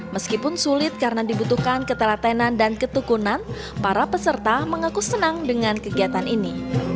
meskipun sulit karena dibutuhkan ketelatenan dan ketukunan para peserta mengaku senang dengan kegiatan ini